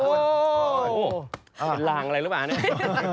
เป็นหลังอะไรรึเปล่าเนี่ย